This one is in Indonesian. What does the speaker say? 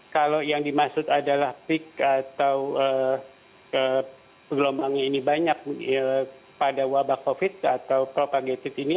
kalau yang dimaksud adalah peak atau gelombangnya ini banyak pada wabah covid atau propagated ini